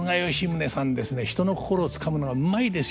人の心をつかむのがうまいですよね。